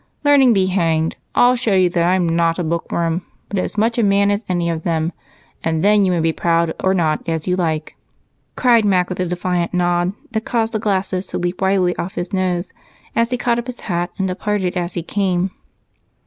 "Learning be hanged! I'll show you that I'm not a bookworm but as much a man as any of them, and then you may be proud or not, as you like!" cried Mac with a defiant nod that caused the glasses to leap wildly off his nose as he caught up his hat and departed as he came.